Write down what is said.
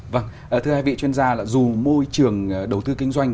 vâng thưa hai vị chuyên gia là dù môi trường đầu tư kinh doanh